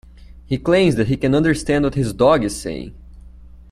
He claims that he can understand what his dog is saying